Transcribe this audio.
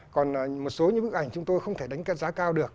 còn một số những bức ảnh chúng tôi không thể đánh giá cao được